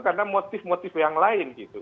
karena motif motif yang lain gitu